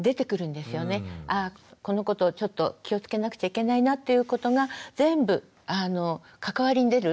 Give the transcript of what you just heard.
あこのことをちょっと気をつけなくちゃいけないなっていうことが全部関わりに出る。